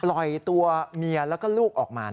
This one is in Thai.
ปล่อยตัวเมียแล้วก็ลูกออกมา